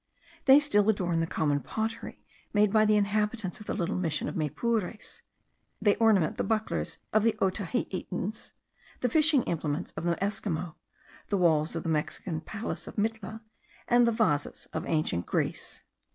They still adorn the common pottery made by the inhabitants of the little mission of Maypures; they ornament the bucklers of the Otaheitans, the fishing implements of the Esquimaux, the walls of the Mexican palace of Mitla, and the vases of ancient Greece.